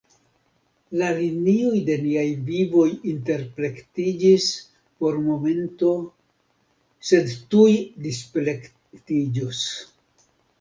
La linioj de niaj vivoj interplektiĝis por momento, sed tuj displektiĝos.